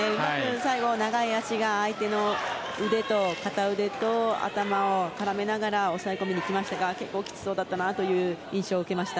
最後、長い足が相手の片腕と頭を絡めながら抑え込んでいきましたが結構きつそうだったなという印象を受けました。